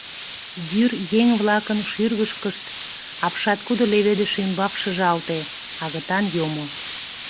Вӱр еҥ-влакын шӱргышкышт, апшаткудо леведыш ӱмбак шыжалте — агытан йомо.